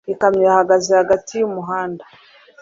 Ikamyo yahagaze hagati y'umuhanda